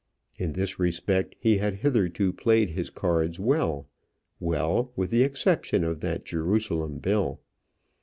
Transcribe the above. In this respect he had hitherto played his cards well well, with the exception of that Jerusalem bill.